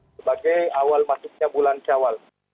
sebagai awal masuknya bulan syawal